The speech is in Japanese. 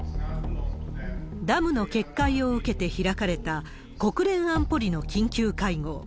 ダムの決壊を受けて開かれた、国連安保理の緊急会合。